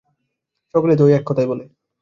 সকলেই তো ঐ এক কথাই বলে।